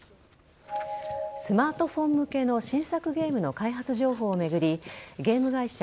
スマートフォン向けの新作ゲームの開発情報を巡り元の会社